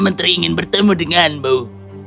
menteri ingin bertemu denganmu